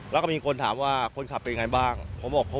แล้วก็มีคนถามว่าคนขับเป็นยังไงบ้าง